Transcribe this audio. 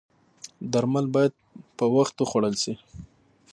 درمل باید په وخت وخوړل شي